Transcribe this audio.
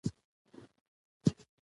زغال د افغانستان د شنو سیمو ښکلا ده.